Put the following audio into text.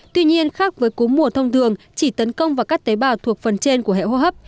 tuy nhiên khác với cúm mùa thông thường chỉ tấn công vào các tế bào thuộc phần trên của hệ hô hấp